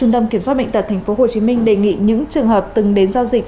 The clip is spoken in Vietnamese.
trung tâm kiểm soát bệnh tật thành phố hồ chí minh đề nghị những trường hợp từng đến giao dịch